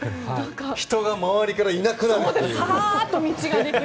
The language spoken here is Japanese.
人が周りからいなくなるという。